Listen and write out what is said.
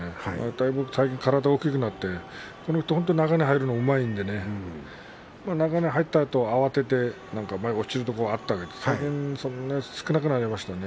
だいぶ体も大きくなってこの人は中に入るのがうまいので中に入ったあとは変わっていって前は落ちるところがあったけれどもそれが少なくなりましたね。